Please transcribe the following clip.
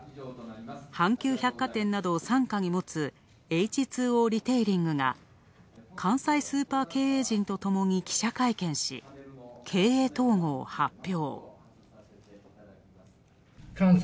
阪急百貨店などを傘下に持つＨ２Ｏリテイリングが、関西スーパー経営陣とともに記者会見し、経営統合を発表。